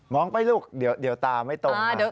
องไปลูกเดี๋ยวตาไม่ตรง